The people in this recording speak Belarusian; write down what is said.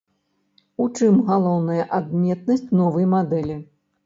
У чым галоўная адметнасць новай мадэлі?